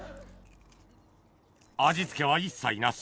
味付けは一切なし